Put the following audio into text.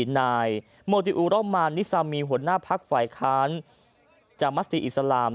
นายโมติอุรมานนิซามีหัวหน้าพักฝ่ายค้านจามัสตีอิสลาม